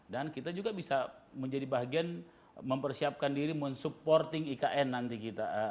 dan kita juga bisa menjadi bagian mempersiapkan diri men supporting ikn nanti kita